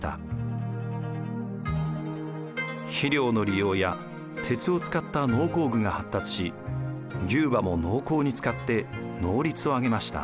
肥料の利用や鉄を使った農耕具が発達し牛馬も農耕に使って能率を上げました。